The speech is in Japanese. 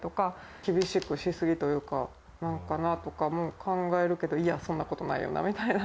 厳しくしすぎというか、なんかなとかも、考えるけど、いや、そんなことないよなみたいな。